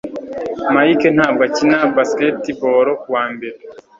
Mike ntabwo akina basketball kuwa mbere.